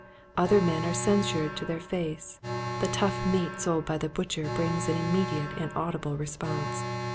Other men are censured to their face. The tough meat sold by the butcher brings an immediate and audible response.